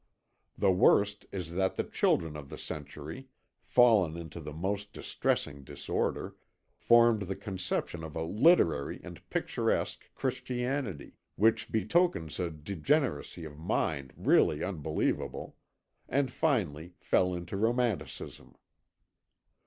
The worst is that the children of the century, fallen into the most distressing disorder, formed the conception of a literary and picturesque Christianity, which betokens a degeneracy of mind really unbelievable, and finally fell into Romanticism.